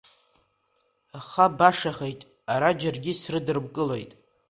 Аха башахеит, ара џьаргьы срыдрымкылеит.